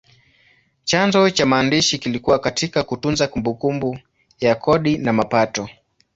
Chanzo cha maandishi kilikuwa katika kutunza kumbukumbu ya kodi na mapato.